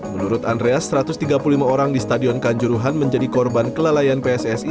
menurut andreas satu ratus tiga puluh lima orang di stadion kanjuruhan menjadi korban kelalaian pssi